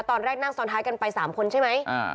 ตอนแรกนั่งซ้อนท้ายกันไป๓คนใช่ไหม